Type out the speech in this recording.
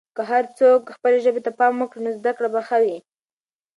که هر څوک خپلې ژبې ته پام وکړي، نو زده کړه به ښه وي.